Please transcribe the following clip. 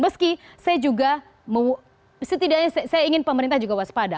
meski saya juga setidaknya saya ingin pemerintah juga waspada